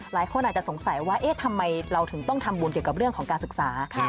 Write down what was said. หลายคนอาจจะสงสัยว่าเอ๊ะทำไมเราถึงต้องทำบุญเกี่ยวกับเรื่องของการศึกษา